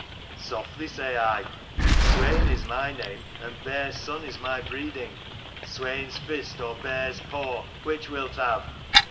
"'Softly,' say I : 'Swain is my name and Bear's son is my breeding. Swain's fist or bear's paw, which wilt have